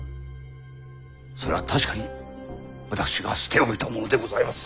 それは確かに私が捨て置いたものでございます。